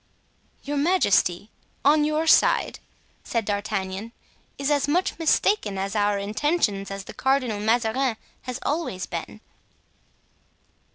"Your majesty, on your side," said D'Artagnan, "is as much mistaken as to our intentions as the Cardinal Mazarin has always been."